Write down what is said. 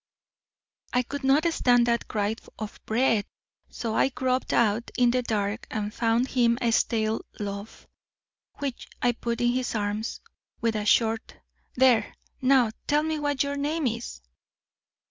"I could not stand that cry of 'Bread!' so I groped about in the dark, and found him a stale loaf, which I put into his arms, with a short, 'There! Now tell me what your name is.'